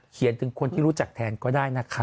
ถึงคนที่รู้จักแทนก็ได้นะคะ